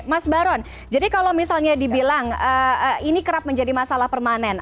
mas baron jadi kalau misalnya dibilang ini kerap menjadi masalah permanen